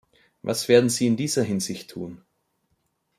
Was werden Sie in dieser Hinsicht tun?